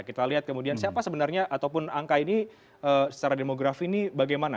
kita lihat kemudian siapa sebenarnya ataupun angka ini secara demografi ini bagaimana